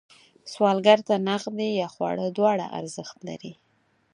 سوالګر ته نغدې یا خواړه دواړه ارزښت لري